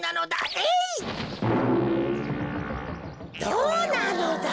どうなのだ。